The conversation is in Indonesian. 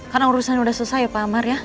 karena urusan sudah selesai ya pak amar ya